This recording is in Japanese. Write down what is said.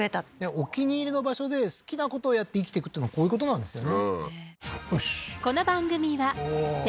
お気に入りの場所で好きなことをやって生きてくっていうのはこういうことなんですよね